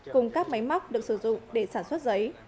cùng các máy móc được sử dụng để sản xuất giấy